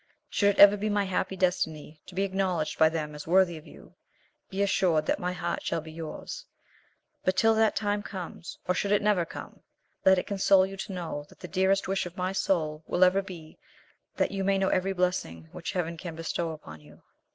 Should it ever be my happy destiny to be acknowledged by them as worthy of you, be assured that my heart shall be yours; but till that time comes, or should it never come, let it console you to know that the dearest wish of my soul will ever be that you may know every blessing which Heaven can bestow upon you."